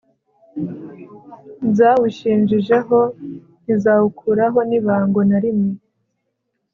zawishinjijeho ntizawukuraho nibango na limwe